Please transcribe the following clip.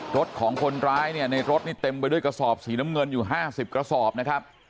รถของคนร้ายเนี่ยในรถนี่เต็มไปด้วยกระสอบสีน้ำเงินอยู่๕๐กระสอบนะครับ